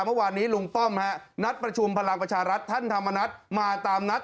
เมื่อวานนี้ลุงป้อมฮะนัดประชุมพลังประชารัฐท่านธรรมนัฐมาตามนัด